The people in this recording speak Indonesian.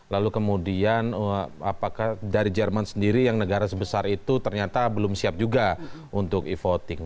lalu kemudian apakah dari jerman sendiri yang negara sebesar itu ternyata belum siap juga untuk e voting